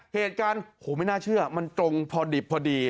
เหตุการณ์โหไม่น่าเชื่อมันตรงพอดิบพอดี